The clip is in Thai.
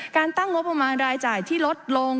ตั้งงบประมาณรายจ่ายที่ลดลง